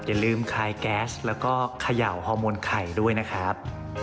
อย่าลืมคลายแก๊สแล้วก็เขย่าฮอร์โมนไข่ด้วยนะครับ